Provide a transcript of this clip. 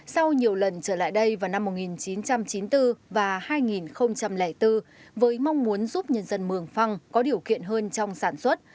sau nhiều lần trở lại đây vào năm một nghìn chín trăm chín mươi bốn và hai nghìn bốn với mong muốn giúp nhân dân mường phăng có điều kiện hơn trong sản xuất